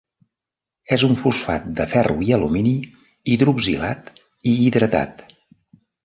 És un fosfat de ferro i alumini, hidroxilat i hidratat.